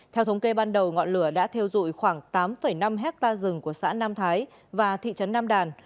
theo thống kê ban đầu ngọn lửa đã theo dụi khoảng tám năm hectare rừng của xã nam thái và thị trấn nam đàn